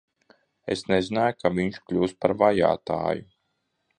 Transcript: Es nezināju, ka viņš kļūs par vajātāju!